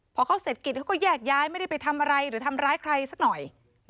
พอเขาเสร็จกิจเขาก็แยกย้ายไม่ได้ไปทำอะไรหรือทำร้ายใครสักหน่อย